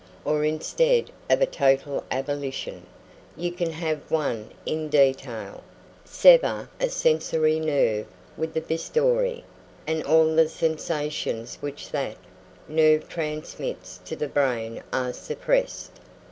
Or, instead of a total abolition, you can have one in detail; sever a sensory nerve with the bistoury, and all the sensations which that nerve transmits to the brain are suppressed.